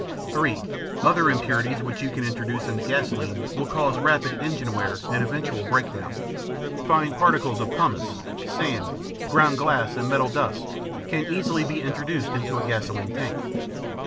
(3) Other impurities which you can introduce into gasoline will cause rapid engine wear and eventual breakdown. Fine particles of pumice, sand, ground glass, and metal dust can easily be introduced into a gasoline tank.